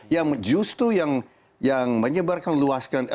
yang justru yang menyebarkan luas